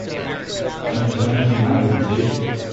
Don't do anything I wouldn't do.